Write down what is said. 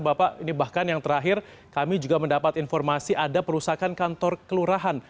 bapak ini bahkan yang terakhir kami juga mendapat informasi ada perusakan kantor kelurahan